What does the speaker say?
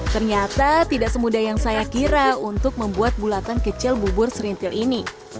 ternyata tidak semudah yang saya kira untuk membuat bulatan kecil bubur serintil ini